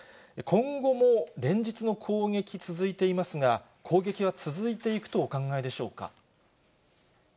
今後も連日の攻撃、続いていますが、攻撃は続いていくとお考えでしょうか。